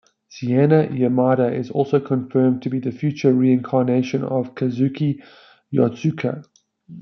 Seina Yamada is also confirmed to be the future reincarnation of Kazuki Yotsuga.